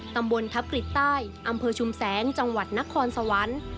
ตำบลทัพกฤษใต้อำเภอชุมแสงจังหวัดนครสวรรค์